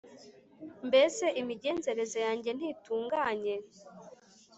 mbese imigenzereze yanjye ntitunganye?